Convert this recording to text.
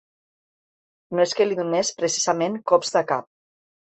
No es que li donés precisament cops de cap.